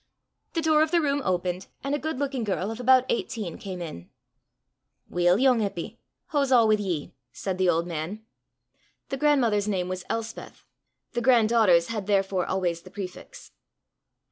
The door of the room opened, and a good looking girl of about eighteen came in. "Weel, yoong Eppy, hoo's a' wi' ye?" said the old man. The grandmother's name was Elspeth, the grand daughter's had therefore always the prefix.